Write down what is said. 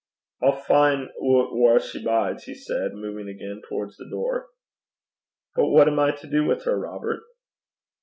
'I'll fin' oot whaur she bides,' he said, moving again towards the door. 'But what am I to do with her, Robert?'